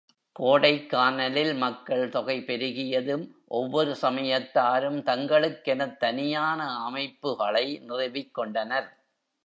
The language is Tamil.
கோடைக்கானலில் மக்கள் தொகை பெருகியதும், ஒவ்வொரு சமயத்தாரும் தங்களுக்கெனத் தனியான அமைப்புகளை நிறுவிக்கொண்டனர்.